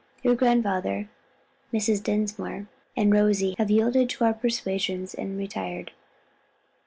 Your grandfather, Mrs. Dinsmore and Rosie have yielded to our persuasions and retired."